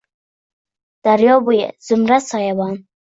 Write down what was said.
Daryo bo’yi — zumrad soyabon…